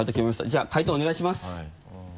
じゃあ解答お願いします。